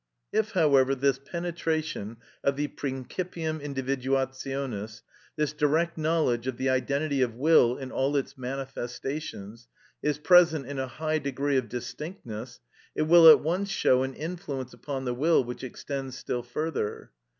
If, however, this penetration of the principium individuationis, this direct knowledge of the identity of will in all its manifestations, is present in a high degree of distinctness, it will at once show an influence upon the will which extends still further.